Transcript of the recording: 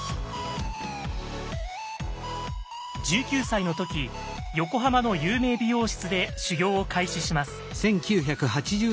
１９歳の時横浜の有名美容室で修業を開始します。